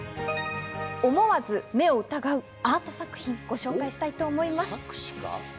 思わず目を疑うアート作品をご紹介したいと思います。